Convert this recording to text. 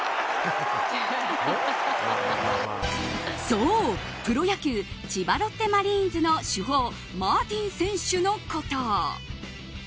そう、プロ野球千葉ロッテマリーンズの主砲マーティン選手のこと。